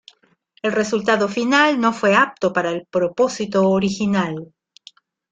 El resultado final no fue apto para el propósito original.